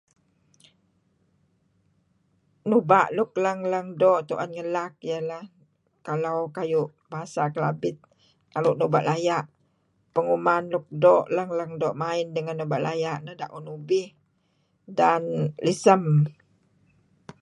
Nuba' luk lang-lang doo' tu'en ngelaak ialah kalau kayu' bahasa Kelabit naru' nuba' laya' penguman luk doo' lang-lang doo' main ruyung nuba' laya' neh da'un ubih dan lisem.